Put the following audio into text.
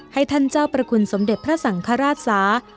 ให้ท่านเจ้าประคุณสมเด็จพระสังฆราชศา